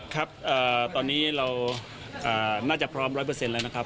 ครับตอนนี้เราน่าจะพร้อม๑๐๐แล้วนะครับ